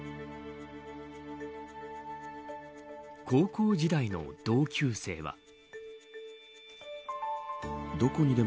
高校時代の同級生は。